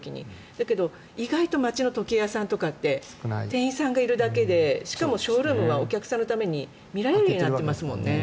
だけど、意外と街の時計屋さんとかって店員さんがいるだけでしかもショールームはお客さんのために見られるようになってますよね。